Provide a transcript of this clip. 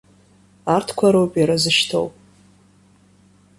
Арҭқәа роуп иара зышьҭоу.